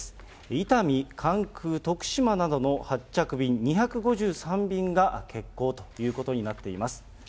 伊丹、関空、徳島などの発着便２５３便が欠航ということになっています。